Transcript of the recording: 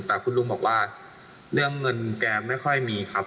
แต่คุณลุงบอกว่าเรื่องเงินแกไม่ค่อยมีครับ